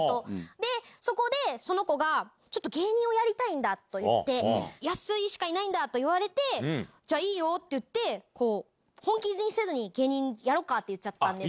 で、そこでその子がちょっと芸人をやりたいんだと言って、安井しかいないんだと言われて、じゃあ、いいよって言って、こう、本気にせずに芸人やろうかと言っちゃったんです。